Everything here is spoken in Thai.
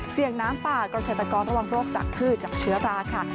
เสี่ยงน้ำป่ากระเศรษฐกรระวังโรคจากพืชจากเชื้อราค่ะ